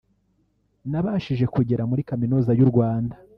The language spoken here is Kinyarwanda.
nabashije kugera muri Kaminuza y’u Rwanda